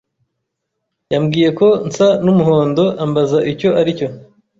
Yambwiye ko nsa n'umuhondo ambaza icyo ari cyo.